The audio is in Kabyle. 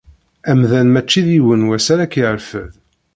Amdan mačči d yiwen wass ad ak-yerfed.